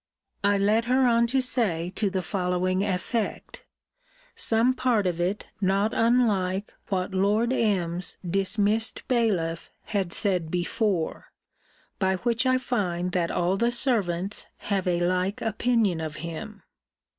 I led her on to say to the following effect; some part of it not unlike what Lord M.'s dismissed bailiff had said before; by which I find that all the servants have a like opinion of him.